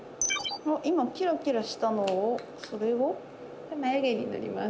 今キラキラしたのをそれは？これまゆ毛に塗ります。